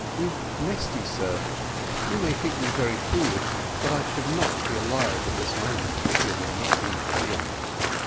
"With Mesty, sir; you may think me very foolish but I should not be alive at this moment, if it had not been for him."